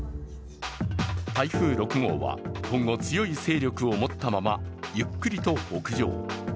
台風６号は今後強い勢力を持ったまま、ゆっくりと北上。